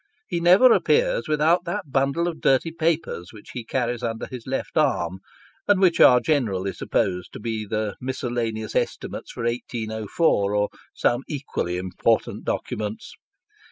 He never appears without that bundle of dirty papers which he carries under his left arm, and which are generally supposed to be the miscellaneous estimates for 1804, or some equally important docu ments.